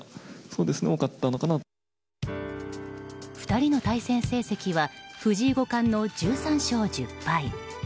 ２人の対戦成績は藤井五冠の１３勝１０敗。